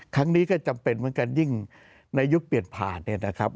ครั้งนี้ก็จำเป็นเหมือนกันยิ่งในยุคเปลี่ยนผ่านเนี่ยนะครับ